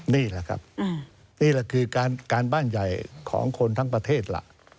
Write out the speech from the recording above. นี่แหละครับนี่แหละคือการบ้านใหญ่ของคนทั้งประเทศล่ะ